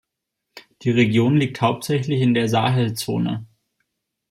Die Region liegt hauptsächlich in der Sahelzone.